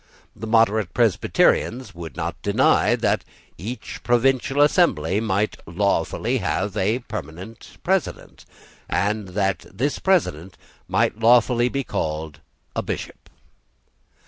The moderate Presbyterians would not deny that each provincial assembly might lawfully have a permanent president, and that this president might lawfully be called a Bishop.